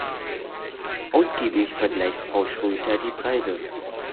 Ausgiebig vergleicht Frau Schröter die Preise.